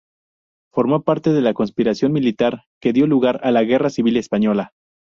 Formó parte de la conspiración militar que dio lugar a la Guerra civil española.